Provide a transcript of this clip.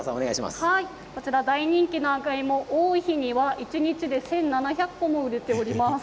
大人気のあげいも多い日には一日に１７００個も売れています。